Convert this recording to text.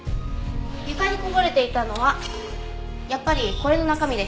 床にこぼれていたのはやっぱりこれの中身でした。